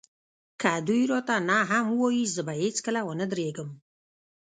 که دوی راته نه هم ووايي زه به هېڅکله ونه درېږم.